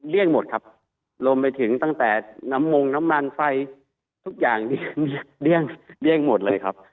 หมดครับรวมไปถึงตั้งแต่น้ำมงน้ำมันไฟทุกอย่างเนี่ยเลี่ยงหมดเลยครับ